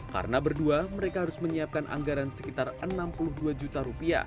karena berdua mereka harus menyiapkan anggaran sekitar rp enam puluh dua juta